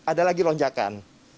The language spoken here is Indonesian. kenapa ada lagi lonjakan